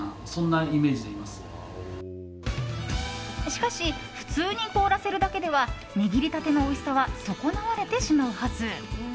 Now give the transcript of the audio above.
しかし普通に凍らせるだけでは握りたてのおいしさは損なわれてしまうはず。